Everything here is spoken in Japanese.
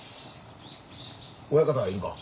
親方いるか？